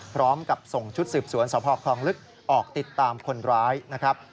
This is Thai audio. พร้อมกับส่งชุดสืบสวนสพคลองลึกออกติดตามคนร้ายนะครับ